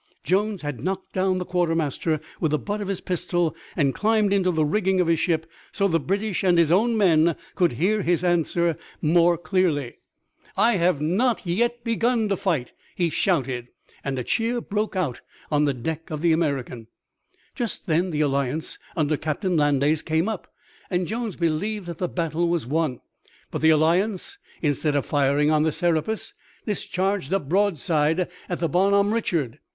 Jones had knocked down the quartermaster with the butt of his pistol and climbed into the rigging of his ship so the British and his own men could hear his answer more clearly: "I have not yet begun to fight," he shouted, and a cheer broke out on the deck of the American. [Illustration: "I HAVE NOT YET BEGUN TO FIGHT," SHOUTED PAUL JONES] Just then the Alliance under Captain Landais came up, and Jones believed that the battle was won. But the Alliance instead of firing on the Serapis discharged a broadside at the Bonhomme Richard.